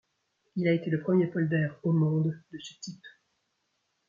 Il a été le premier polder au monde de ce type.